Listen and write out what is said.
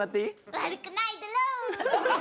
悪くないだろうっ！